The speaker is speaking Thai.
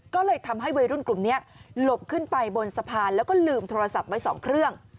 ก็เลยทำให้วัยรุ่นกลุ่มนี้หลบขึ้นไปบนสะพานแล้วก็ลืมโทรศัพท์ไว้๒เครื่อง